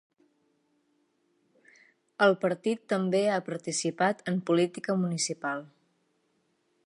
El partit també ha participat en política municipal.